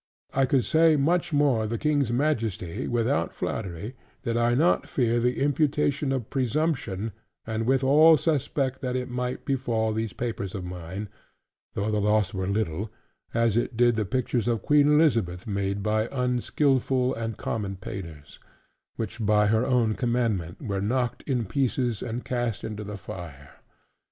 I could say much more of the King's majesty, without flattery: did I not fear the imputation of presumption, and withal suspect, that it might befall these papers of mine (though the loss were little) as it did the pictures of Queen Elizabeth, made by unskilful and common painters, which by her own commandment were knocked in pieces and cast into the fire.